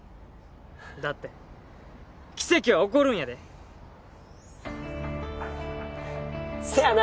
だって奇跡は起こるんやでせやな！